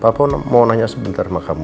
apapun mau nanya sebentar sama kamu